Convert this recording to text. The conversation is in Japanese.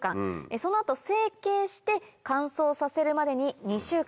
その後成形して乾燥させるまでに２週間。